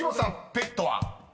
ペットは？］